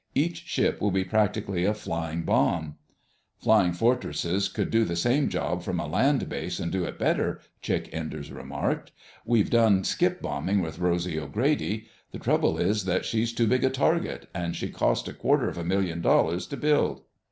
Each ship will be practically a flying bomb." "Flying Fortresses could do the same job from a land base and do it better," Chick Enders remarked. "We've done skip bombing with Rosy O'Grady. The trouble is that she's too big a target, and she cost a quarter of a million dollars to build."